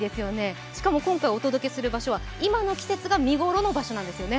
しかも今回お届けする場所は今の季節が見頃の場所なんですよね。